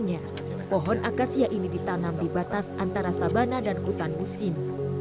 namun sekarang akasia ini menanggung batas antara sabana dan hutan musim